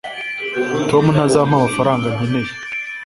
tom ntazampa amafaranga nkeneye